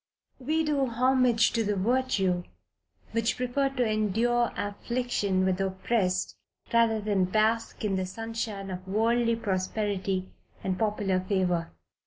We do homage to the virtue which preferred to endure affliction with the oppressed, rather than to bask in the sunshine of worldly prosperity and popular favor.